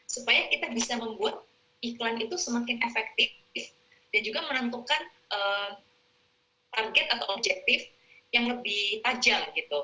supaya kita bisa membuat iklan itu semakin efektif dan juga menentukan target atau objektif yang lebih tajam gitu